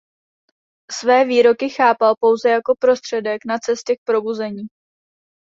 Své výroky chápal pouze jako prostředek na cestě k probuzení.